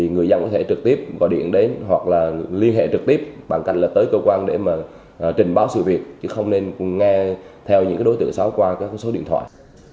người dân có thể trực tiếp vào điện đến hoặc liên hệ trực tiếp bằng cách là tới cơ quan để trình báo sự việc chứ không nên nghe theo những đối tượng xáo qua số điện thoại